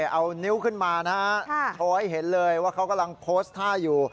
เอานิ้วขึ้นมานะฮะโชว์ให้เห็นเลยว่าเขากำลังโพสต์ท่าอยู่